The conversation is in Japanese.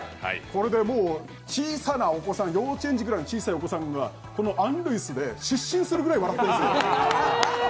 これでもう、幼稚園くらいの小さなお子さん、このアン・ルイスで失神するくらい笑ってるんですよ。